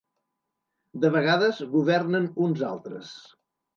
De vegades governen uns altres.